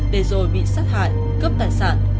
để rồi bị sát hại cướp tài sản